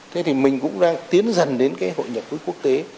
thế thì mình cũng đang tiến dần đến cái hội nhập với quốc tế